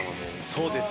そうですね